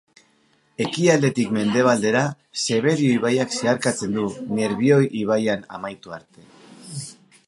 Ekialdetik mendebaldera, Zeberio ibaiak zeharkatzen du, Nerbioi ibaian amaitu arte.